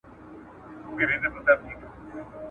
تا خو د یاجوجو له نکلونو بېرولي وو ..